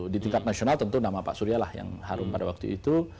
di tingkat nasional tentu nama pak surya lah yang harum pada waktu itu